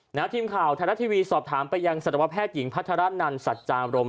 ทีมข่าวไทยรัฐทีวีสอบถามไปยังสัตวแพทย์หญิงพัฒนานันสัจจาบรม